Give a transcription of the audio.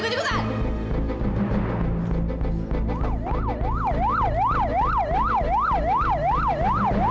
lepasin nggak mau lepasin